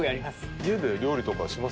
家で料理とかします？